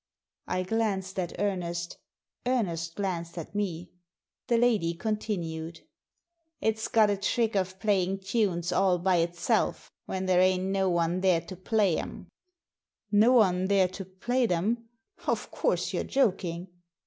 I glanced at Ernest ; Ernest glanced at me. The lady continued. Digitized by VjOOQIC THE VIOLIN 107 " It's got a trick of playing tunes all by itself, when there ain't no one there to play 'em." " No one there to play them 1 Of course, you're joking."